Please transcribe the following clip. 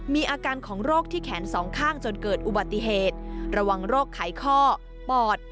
มีอาการของโรคที่แขนสองข้างจนเกิดอุบัติเหตุระวังโรคไขข้อปอด